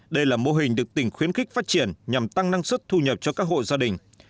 đây là mô hình được tỉnh khuyến khích phát triển nhằm tăng năng suất thu nhập cho các hộ gia đình